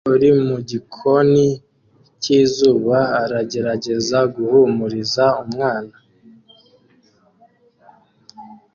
Umugore uri mu gikoni cyizuba aragerageza guhumuriza umwana